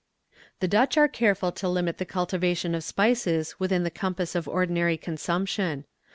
"The Dutch are careful to limit the cultivation of spices within the compass of ordinary consumption.